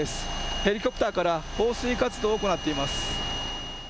ヘリコプターから放水活動を行っています。